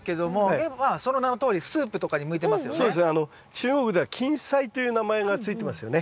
中国では芹菜という名前が付いてますよね。